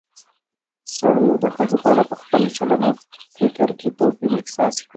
سړيو د ښځو په اړه په خپل چلن او فکر کې توپير احساس کړى